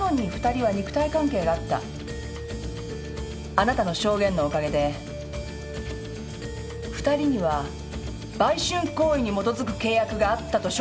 あなたの証言のお陰で二人には売春行為に基づく契約があったと証明することができました。